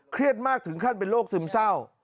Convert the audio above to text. มากถึงขั้นเป็นโรคซึมเศร้า